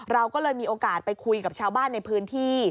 เราก็เลยมีโอกาสไปคุยกับชาวบ้านในพื้นที่